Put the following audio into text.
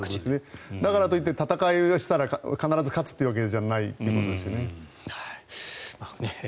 だからといって戦いをしたら必ず勝つわけじゃないということですね。